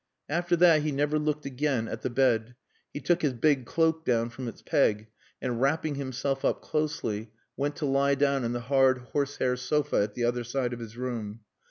After that he never looked again at the bed. He took his big cloak down from its peg and, wrapping himself up closely, went to lie down on the hard horse hair sofa at the other side of his room.